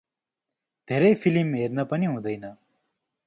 धेरै फिलिम हेर्न पनि हुदैँन ।